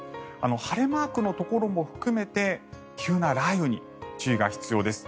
晴れマークのところも含めて急な雷雨に注意が必要です。